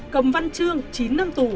cầm văn trương chín năm tù